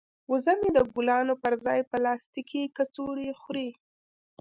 وزه مې د ګلانو پر ځای پلاستیکي کڅوړې خوري.